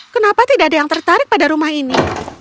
kenapa tidak ada yang tertarik pada rumah ini